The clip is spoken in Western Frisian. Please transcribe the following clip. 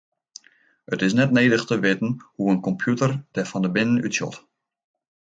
It is net nedich te witten hoe't in kompjûter der fan binnen útsjocht.